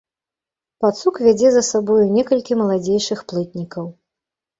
Пацук вядзе за сабою некалькі маладзейшых плытнікаў.